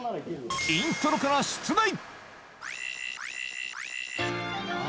イントロから出題